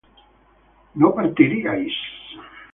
no partiríais